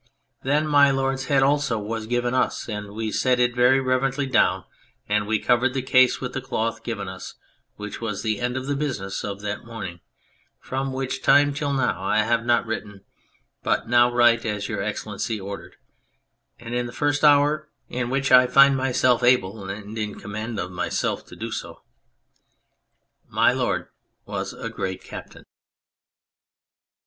Then My Lord's head also was given us and we set it very reverently down, and we covered the case with the cloth given us, which was the end of the business of that morning, from which time till now I have not written, but now write as Your Excellency ordered, and in the first hour in which I find myself able and in command of myself to do so. My Lord was a great Captain.